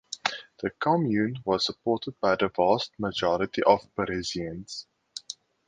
The Commune was supported by the vast majority of Parisians.